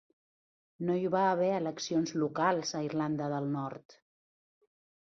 No hi va haver eleccions locals a Irlanda del Nord.